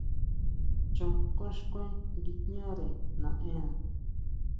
Chon xkuen, xkuen nguijñare naʼena.